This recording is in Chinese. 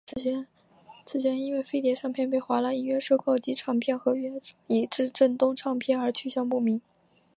此前因为飞碟唱片被华纳音乐收购及唱片合约转移至正东唱片而去向不明。